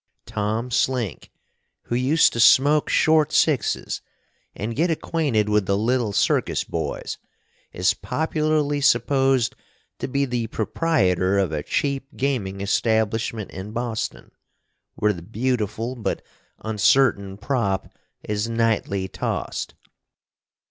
Tom Slink, who used to smoke Short Sixes and get acquainted with the little circus boys, is popularly supposed to be the proprietor of a cheap gaming establishment in Boston, where the beautiful but uncertain prop is nightly tossed.